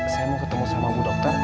saya mau ketemu sama bu dokter